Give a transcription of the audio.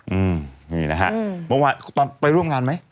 อืมนี่นะฮะอืมเมื่อวานตอนไปร่วมงานไหม